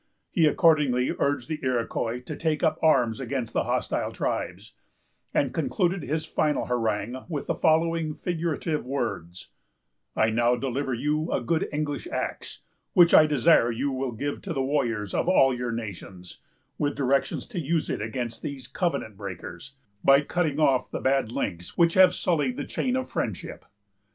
He accordingly urged the Iroquois to take up arms against the hostile tribes, and concluded his final harangue with the following figurative words: "I now deliver you a good English axe, which I desire you will give to the warriors of all your nations, with directions to use it against these covenant breakers, by cutting off the bad links which have sullied the chain of friendship."